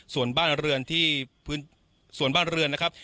ส่วนบ้านเรือนที่พื้นส่วนบ้านเรือนนะครับ